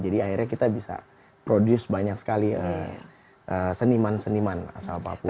jadi akhirnya kita bisa produce banyak sekali seniman seniman asal papua